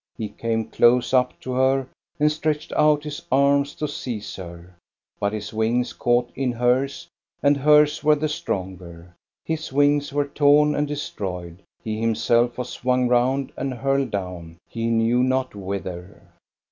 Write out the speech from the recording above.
He came close up to her and stretched out his arms to seize her. But his wings caught in hers, and hers were the stronger. His wings were torn and destroyed; he himself was swung round and hurled down, he knew not whither.